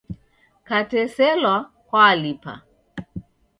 Kateselwa kwalipa.